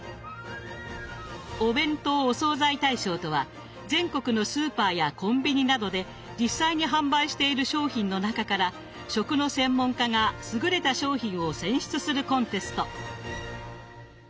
「お弁当・お惣菜大賞」とは全国のスーパーやコンビニなどで実際に販売している商品の中から食の専門家が優れた商品を選出するコンテスト。